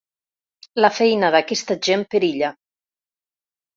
La feina d’aquesta gent perilla.